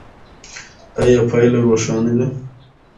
ایا پایله روښانه ده؟